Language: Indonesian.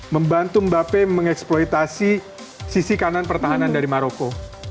membantu mba pe mengeksploitasi sisi kanan pertahanan dari maroko